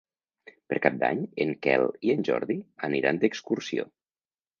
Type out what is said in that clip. Per Cap d'Any en Quel i en Jordi aniran d'excursió.